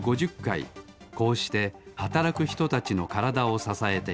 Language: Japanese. こうしてはたらくひとたちのからだをささえています